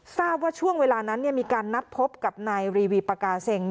ทราบว่าช่วงเวลานั้นมีการนัดพบกับนายรีวีปากาเซ็ง